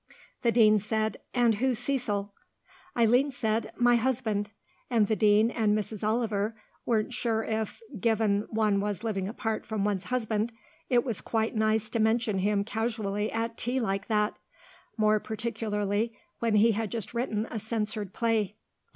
The Dean said, "And who's Cecil?" Eileen said, "My husband," and the Dean and Mrs. Oliver weren't sure if, given one was living apart from one's husband, it was quite nice to mention him casually at tea like that; more particularly when he had just written a censored play.